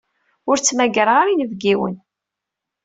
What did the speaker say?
Ur ttmagareɣ ara inebgiwen.